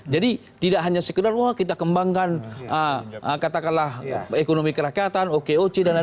jadi tidak hanya sekedar kita kembangkan katakanlah ekonomi kerakyatan okoc dan lain lain